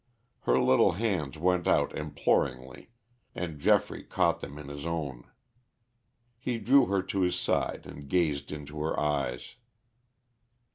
Her little hands went out imploringly and Geoffrey caught them in his own. He drew her to his side and gazed into her eyes.